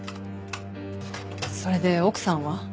それで奥さんは？